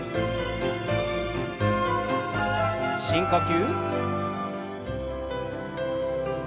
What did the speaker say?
深呼吸。